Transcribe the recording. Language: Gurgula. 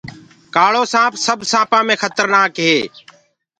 ڪآݪوسآنٚپ سب سآپآنٚ مي کترنآڪ هي